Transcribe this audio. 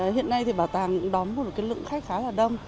hiện nay thì bảo tàng cũng đón một lượng khách khá là đông